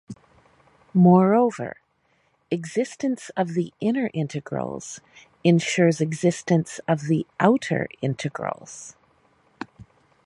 Moreover, existence of the inner integrals ensures existence of the outer integrals.